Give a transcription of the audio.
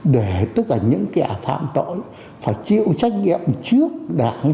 để tất cả những kẻ phạm tội phải chịu trách nhiệm trước đảng